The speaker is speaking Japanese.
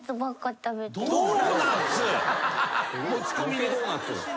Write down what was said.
持ち込みでドーナツ。